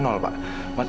ini cocok sekali sama eyang